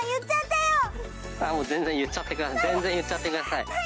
全然言っちゃってください。